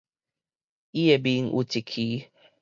伊的面有一疧